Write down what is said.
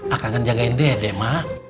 akang kan jagain dede ma